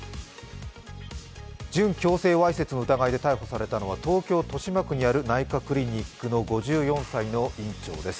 準強制わいせつの疑いで逮捕されたのは東京・豊島区にある内科クリニックの５４歳の院長です。